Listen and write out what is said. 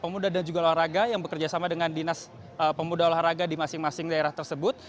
pemuda dan juga olahraga yang bekerja sama dengan dinas pemuda olahraga di masing masing daerah tersebut